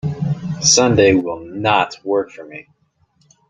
Sunday will not work for me.